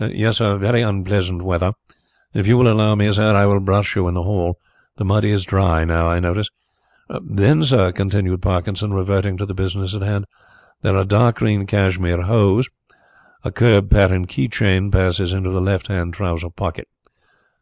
"Yes, sir; very unpleasant weather. If you will allow me, sir, I will brush you in the hall. The mud is dry now, I notice. Then, sir," continued Parkinson, reverting to the business in hand, "there are dark green cashmere hose. A curb pattern key chain passes into the left hand trouser pocket."